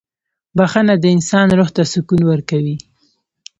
• بخښنه د انسان روح ته سکون ورکوي.